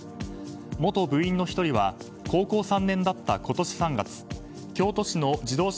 元部員の１人は高校３年だった今年３月京都市の自動車